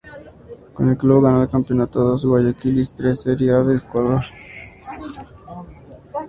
Con el club ganó dos Campeonato de Guayaquil y tres Serie A de Ecuador.